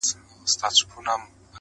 تل مدام یې تر درنو بارونو لاندي -